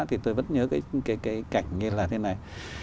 thì tôi vẫn nhớ cái cảnh như là thế này